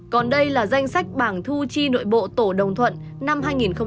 còn đây là danh sách bảng thu chi nội bộ tổ đồng thuận năm hai nghìn một mươi chín